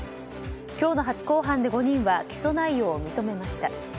今日の初公判で５人は起訴内容を認めました。